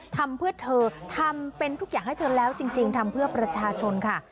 ทำเพื่อเธอทำเป็นทุกอย่างให้เธอแล้วจริงทำเพื่อประชาชนค่ะ